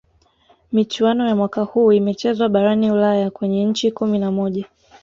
michuano ya mwaka huu imechezwa barani ulaya kwenye nchi kumi na moja